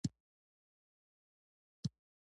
د ګل اجان زوی شنډ دې اولادونه یي نه پیداکیږي